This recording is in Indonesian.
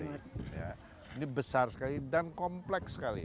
pembicara lima puluh satu ini besar sekali dan kompleks sekali